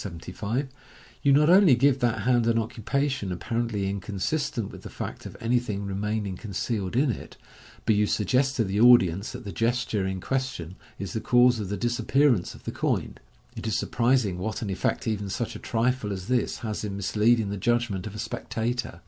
75), you not only give that hand an occupa tion apparently inconsistent with the fact of anything remaining con cealed in it, but you suggest to the audience that the gesture in question is the cause of the disappearance of the coin. It is surprising what an effect even such a trifle as this has in misleading the judg ment of a spectator.